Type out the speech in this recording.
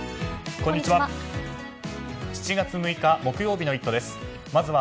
こんにちは。